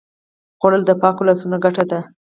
خوړل د پاکو لاسونو ګټه ده